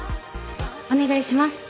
お願いします。